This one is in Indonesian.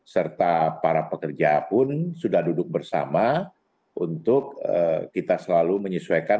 serta para pekerja pun sudah duduk bersama untuk kita selalu menyesuaikan